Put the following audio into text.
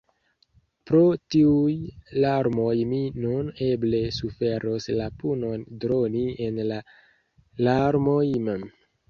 “Pro tiuj larmoj mi nun eble suferos la punon droni en la larmoj mem.